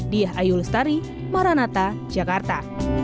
diah ayul ustari maranatha jakarta